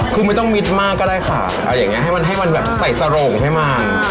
คือไม่ต้องมิดมากก็ได้ค่ะเอาอย่างนี้ให้มันให้มันแบบใส่สโรงให้มัน